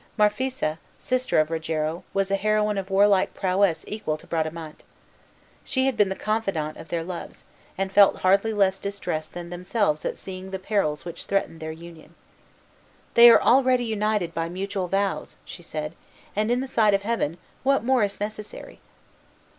Marphisa, sister of Rogero, was a heroine of warlike prowess equal to Bradamante. She had been the confidante of their loves, and felt hardly less distress than themselves at seeing the perils which threatened their union. "They are already united by mutual vows," she said, "and in the sight of Heaven what more is necessary?"